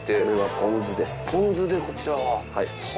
ポン酢でこちらは。